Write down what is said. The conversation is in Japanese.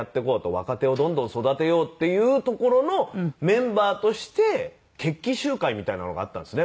若手をどんどん育てようっていうところのメンバーとして決起集会みたいなのがあったんですね。